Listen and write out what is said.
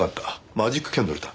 マジックキャンドルだ。